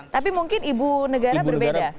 tapi mungkin ibu negara berbeda